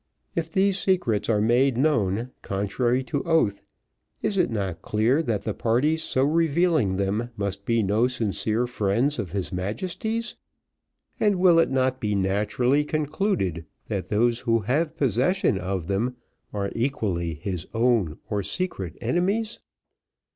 If these secrets are made known contrary to oath, is it not clear that the parties so revealing them must be no sincere friends of his Majesty's, and will it not be naturally concluded that those who have possession of them, are equally his open or secret enemies."